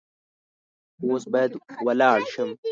اوس باید ولاړ شم .